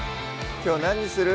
きょう何にする？